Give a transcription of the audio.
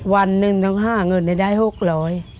วันหนึ่งต้องห้าเงินให้ได้หกร้อย